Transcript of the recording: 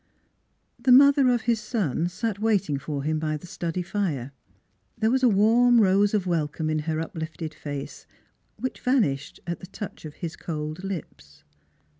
... The mother of his son sat waiting for him by the study fire. There was a warm rose of wel come in her uplifted face which vanished at the touch of his cold lips.